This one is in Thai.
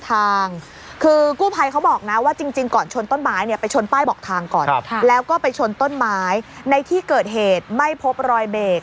ทางก่อนแล้วก็ไปชนต้นไม้ในที่เกิดเหตุไม่พบรอยเบก